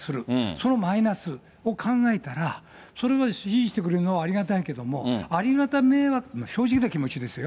そのマイナスを考えたら、それは支持してくれるのはありがたいけれども、ありがた迷惑、正直な気持ちですよ。